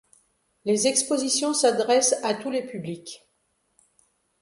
Les expositions s'adressent à tous les publics.